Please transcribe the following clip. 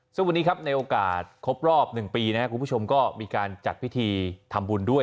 ซึ่งวันนี้ครับในโอกาสครบรอบ๑ปีนะครับคุณผู้ชมก็มีการจัดพิธีทำบุญด้วย